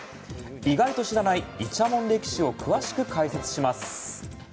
意外と知らないイチャモン歴史を詳しく解説します。